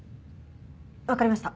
わかりました。